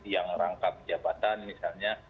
yang rangkap jabatan misalnya